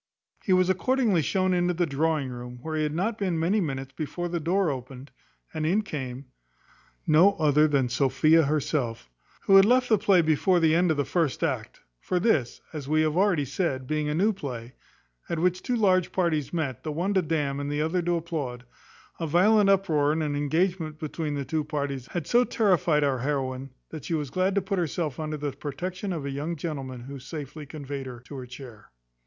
He was accordingly shown into the drawing room, where he had not been many minutes before the door opened, and in came no other than Sophia herself, who had left the play before the end of the first act; for this, as we have already said, being, a new play, at which two large parties met, the one to damn, and the other to applaud, a violent uproar, and an engagement between the two parties, had so terrified our heroine, that she was glad to put herself under the protection of a young gentleman who safely conveyed her to her chair.